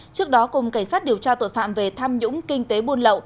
trước đó cùng cảnh sát điều tra tội phạm về tham nhũng kinh tế buôn lậu